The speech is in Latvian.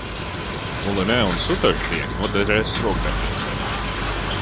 Mulinē un sutaža diegi noderēs rokdarbniecēm.